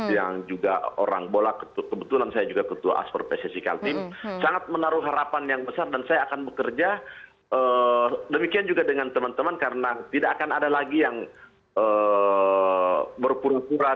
yang juga orang bola kebetulan saya juga ketua asper pssi kaltim sangat menaruh harapan yang besar dan saya akan bekerja demikian juga dengan teman teman karena tidak akan ada lagi yang berpura pura